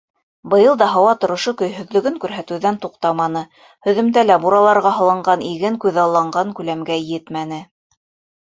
Быйыл да һауа торошо көйһөҙлөгөн күрһәтеүҙән туҡтаманы, һөҙөмтәлә бураларға һалынған иген күҙалланған күләмгә етмәне.